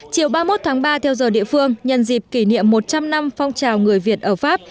chiều ba mươi một tháng ba theo giờ địa phương nhân dịp kỷ niệm một trăm linh năm phong trào người việt ở pháp